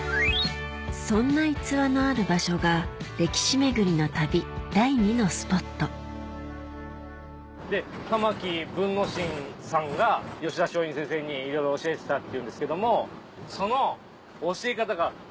そんな逸話のある場所が歴史巡りの旅第２のスポットで玉木文之進さんが吉田松陰先生にいろいろ教えてたっていうんですけども。